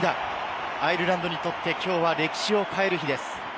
アイルランドにとって、きょうは歴史を変える日です。